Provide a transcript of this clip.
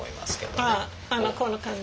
ああこの感じ？